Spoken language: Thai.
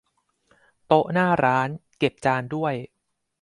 โต๊ะหน้าร้าน เก็บจานด้วย